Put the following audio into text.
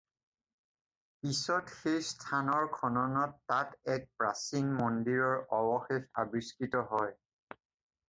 পিছত সেই স্থানৰ খননত তাত এক প্ৰাচীন মন্দিৰৰ অৱশেষ আবিস্কৃত হয়।